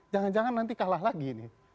jangan jangan nanti kalah lagi nih